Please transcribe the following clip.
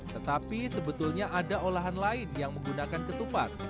tetapi sebetulnya ada olahan lain yang menggunakan ketupat